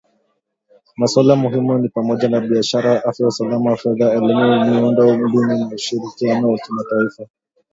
Masuala muhimu ni pamoja na biashara , afya , usalama , fedha , elimu , miundo mbinu na ushirikiano wa kimataifa